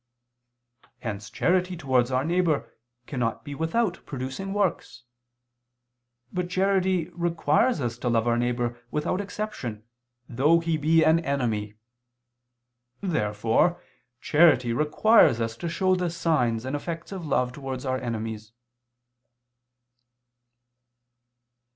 Hence charity towards our neighbor cannot be without producing works. But charity requires us to love our neighbor without exception, though he be an enemy. Therefore charity requires us to show the signs and effects of love towards our enemies.